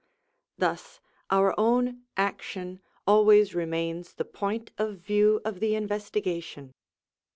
Thus our own action always remains the point of view of the investigation.